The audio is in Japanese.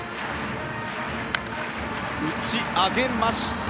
打ち上げました。